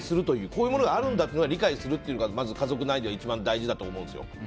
こういうものがあるんだと理解するのがまずは家族内では一番大事だと思うんですよ。